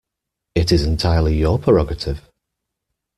It is entirely your prerogative.